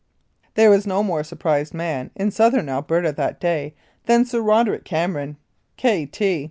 " There was no more surprised man in Southern Alberta that day than Sir Roderick Cameron, Kt.